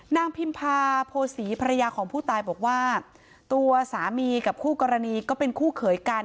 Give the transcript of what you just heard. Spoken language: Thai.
พิมพาโพศีภรรยาของผู้ตายบอกว่าตัวสามีกับคู่กรณีก็เป็นคู่เขยกัน